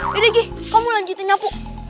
jadikin kamu lanjutin nyapu